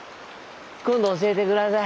今度教えて下さい。